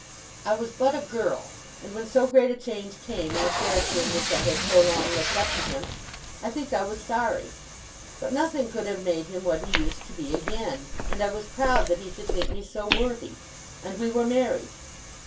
I was but a girl; and when so great a change came in the character in which I had so long looked up to him, I think I was sorry. But nothing could have made him what he used to be again; and I was proud that he should think me so worthy, and we were married.